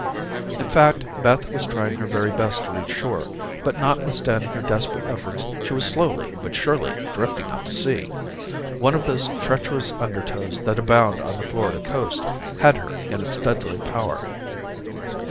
In fact, Beth was trying her very best to reach shore, but notwithstanding her desperate efforts, she was slowly but surely drifting out to sea. One of those treacherous undertows that abound on the Florida coast had her in its deadly power.